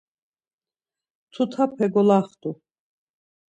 Tutape golaxtu.